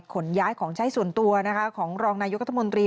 ขนย้ายของใช้ส่วนตัวนะคะของรองนายกรัฐมนตรี